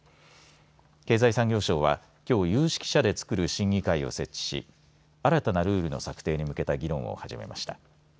経済産業省は、きょう有識者で作る審議会を設置し新たなルールの策定に向けた議論を始めました。